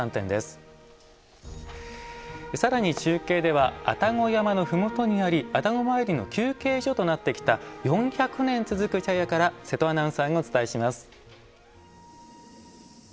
さらに中継では愛宕山のふもとにあり愛宕詣りの休憩所となってきた４００年続く茶屋から瀬戸アナウンサーがお伝えします。